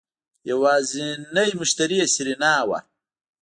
يوازينی مشتري يې سېرېنا وه.